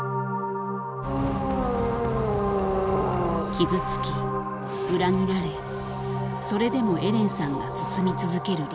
傷つき裏切られそれでもエレンさんが進み続ける理由。